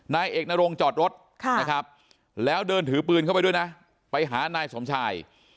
นายเอกนรงจอดรถนะครับแล้วเดินถือปืนเข้าไปด้วยนะไปหานายสมชาย